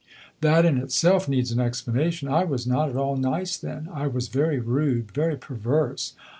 "That in itself needs an explanation. I was not at all nice then I was very rude, very perverse.